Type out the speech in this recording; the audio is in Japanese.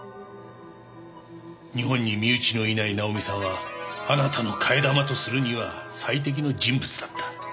日本に身内のいないナオミさんはあなたの替え玉とするには最適の人物だった。